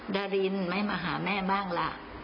ดารินไม่มาหาแม่บ้างล่ะ